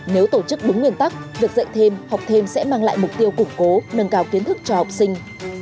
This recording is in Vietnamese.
nếu tổ chức đúng nguyên tắc việc dạy thêm học thêm sẽ mang lại mục tiêu củng cố nâng cao kiến thức cho học sinh